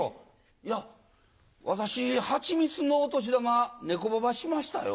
いや私八光のお年玉ネコババしましたよ。